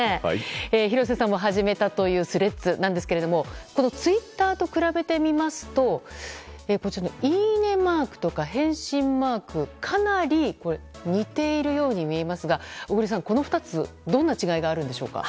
廣瀬さんも始めたというＴｈｒｅａｄｓですがツイッターと比べてみますといいねマークとか返信マークかなり似ているように見えますが小栗さん、この２つどんな違いがあるんでしょうか。